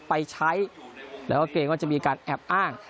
ไปใช้แล้วก็เกรงว่าจะมีการแอบอ้าง